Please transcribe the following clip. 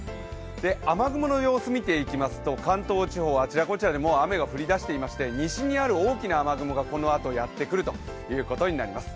雨雲の様子見ていきますと関東地方はあちらこちらでもう雨が降りだしていまして西にある大きな雨雲がこのあとやってくるということになります。